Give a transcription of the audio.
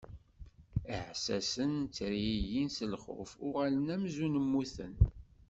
Iɛessasen ttergigin si lxuf, uɣalen amzun mmuten.